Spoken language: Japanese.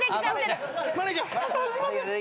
マネージャー。